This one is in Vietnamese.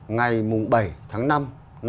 ngày bảy tháng năm năm một nghìn chín trăm năm mươi bốn